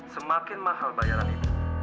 semakin mahal bayaran ini